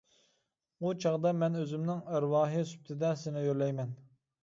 ئۇ چاغدا مەن ئۆزۈمنىڭ ئەرۋاھى سۈپىتىدە سېنى يۆلەيمەن.